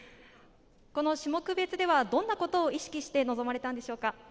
この種目別ではどんなことに意識して臨まれたんでしょうか？